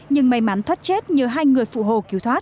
nhưng may mắn thoát chết nhờ hai người phụ hồ cứu thoát